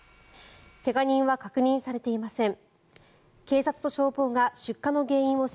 怪我人は確認されていません。